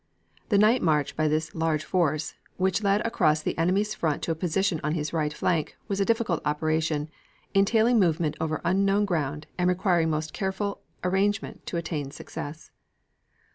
The night march by this large force, which led across the enemy's front to a position on his right flank, was a difficult operation, entailing movement over unknown ground, and requiring most careful arrangement to attain success."